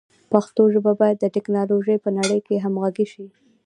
پښتو ژبه باید د ټکنالوژۍ په نړۍ کې همغږي شي.